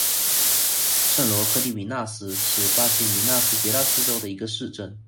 圣罗克迪米纳斯是巴西米纳斯吉拉斯州的一个市镇。